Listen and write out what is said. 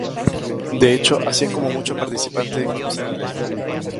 De hecho, así es como muchos participantes conocen la ley.